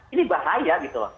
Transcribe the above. ini bahaya gitu